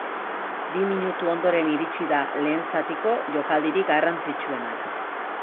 Bi minutu ondoren iritsi da lehen zatiko jokaldirik garrantzitsuena.